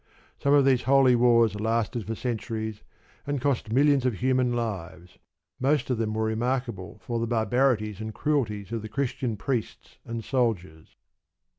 Some of these holy wars lasted for centuries and cost millions of human lives. Most of them were remarkable for the barbarities and cruelties of the Christian priests and soldiers.